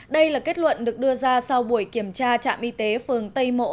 đây là kết luận được đưa ra sau buổi kiểm tra trạm y tế phường tây mỗ